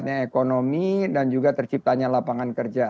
dampaknya ekonomi dan juga terciptanya lapangan kerja